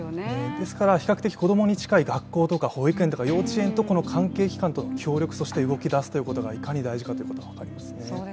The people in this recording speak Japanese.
ですから比較的子供に近い学校とか保育園とか、幼稚園とこの関係機関との協力、そして動きだすということがいかに大事かということが分かりましたね。